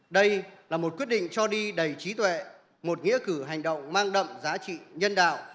đây là một quyết định cho đi đầy trí tuệ một nghĩa cử hành động mang đậm giá trị nhân đạo